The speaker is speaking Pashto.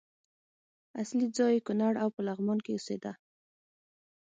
اصلي ځای یې کونړ او په لغمان کې اوسېده.